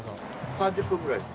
３０分ぐらいです。